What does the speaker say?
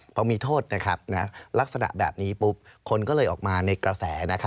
พอมีโทษลักษณะแบบนี้ปุ๊บคนก็เลยออกมาในกระแส